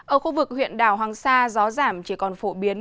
ở khu vực huyện đảo hoàng sa gió giảm chỉ còn phổ biến